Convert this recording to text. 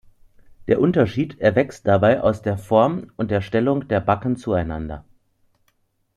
Der Unterschied erwächst dabei aus der Form und der Stellung der Backen zueinander.